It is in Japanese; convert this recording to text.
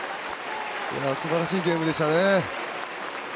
すばらしいゲームでしたね。